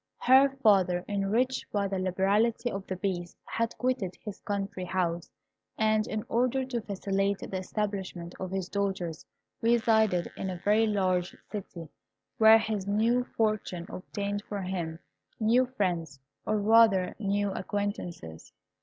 Her father, enriched by the liberality of the Beast, had quitted his country house, and in order to facilitate the establishment of his daughters, resided in a very large city, where his new fortune obtained for him new friends, or rather new acquaintances.